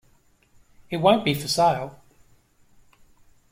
It won't be for sale.